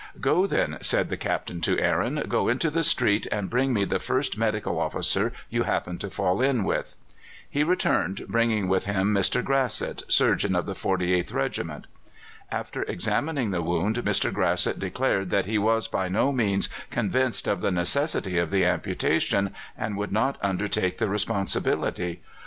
"Go, then," said the Captain to Aaron "go into the street, and bring me the first medical officer you happen to fall in with." He returned, bringing with him Mr. Grasset, surgeon of the 48th Regiment. After examining the wound, Mr. Grasset declared that he was by no means convinced of the necessity of the amputation, and would not undertake the responsibility.